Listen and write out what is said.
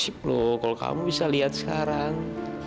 sip loh kalau kamu bisa lihat sekarang